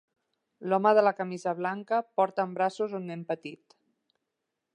L'home de la camisa blanca porta en braços un nen petit